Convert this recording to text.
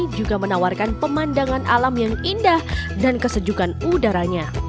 juga menawarkan pemandangan alam yang indah dan kesejukan udaranya